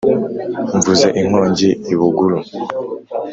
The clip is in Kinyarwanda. Nvuze inkongi i Buguru